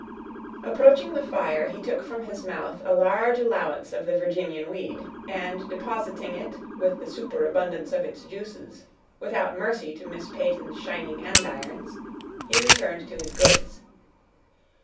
Approaching the fire, he took from his mouth a large allowance of the Virginian weed, and depositing it, with the superabundance of its juices, without mercy to Miss Peyton's shining andirons, he returned to his goods.